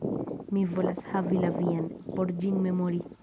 Mi volas havi la vian, por ĝin memori.